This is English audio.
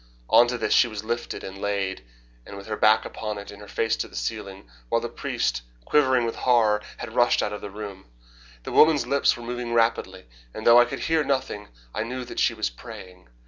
On to this she was lifted and laid, with her back upon it, and her face to the ceiling, while the priest, quivering with horror, had rushed out of the room. The woman's lips were moving rapidly, and though I could hear nothing I knew that she was praying.